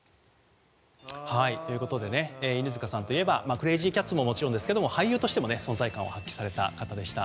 犬塚さんといえばクレイジー・キャッツはもちろん俳優としても存在感を発揮された方でした。